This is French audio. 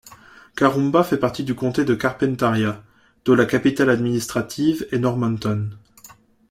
Karumba fait partie du comté de Carpentaria, dont la capitale administrative est Normanton.